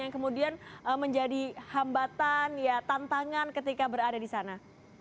yang kemudian menjadi hambatan ya tantangan ketika berada di sana